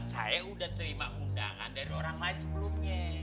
saya udah terima undangan dari orang lain sebelumnya